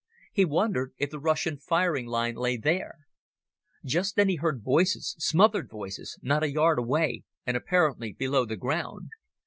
He wondered if the Russian firing line lay there. Just then he heard voices—smothered voices—not a yard away and apparently below the ground.